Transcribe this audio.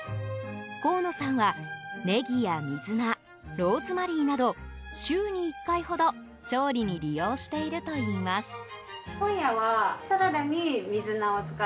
河野さんはネギや水菜、ローズマリーなど週に１回ほど調理に利用しているといいます。